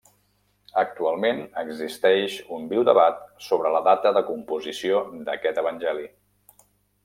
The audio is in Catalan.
Actualment existeix un viu debat sobre la data de composició d'aquest evangeli.